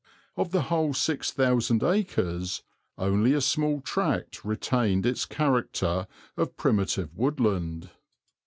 Of the whole six thousand acres only a small tract retained its character of primitive woodland.